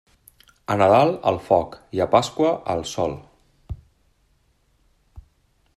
A Nadal, al foc, i a Pasqua, al sol.